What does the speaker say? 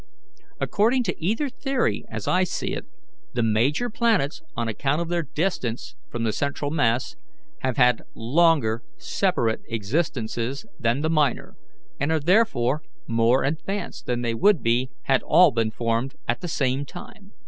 According to either theory, as I see it, the major planets, on account of their distance from the central mass, have had longer separate existences than the minor, and are therefore more advanced than they would be had all been formed at the same time.